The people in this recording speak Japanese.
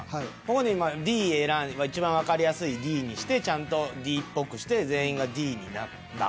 ここで今Ｄ選んでいちばんわかりやすいＤにしてちゃんとＤっぽくして全員がＤになった。